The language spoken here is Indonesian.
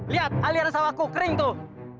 lihat aliran sawahku kering tuh